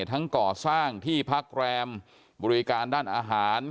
ก่อสร้างที่พักแรมบริการด้านอาหาร